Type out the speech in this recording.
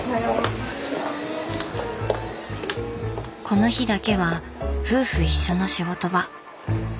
この日だけは夫婦一緒の仕事場。